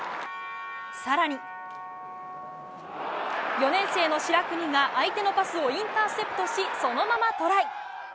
更に４年生の白國が相手のパスをインターセプトしそのままトライ。